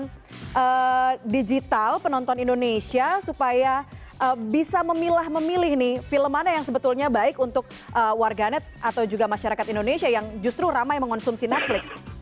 dengan digital penonton indonesia supaya bisa memilah memilih nih film mana yang sebetulnya baik untuk warganet atau juga masyarakat indonesia yang justru ramai mengonsumsi netflix